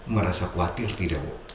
merasa khawatir tidak